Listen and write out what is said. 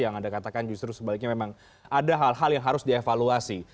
yang anda katakan justru sebaliknya memang ada hal hal yang harus dievaluasi